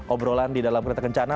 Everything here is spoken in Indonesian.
obrolan di dalam kereta kencana